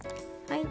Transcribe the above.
はい。